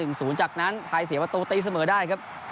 อยู่จากนั้นท้ายเสียละตู้ตะทิเสมอได้ครับ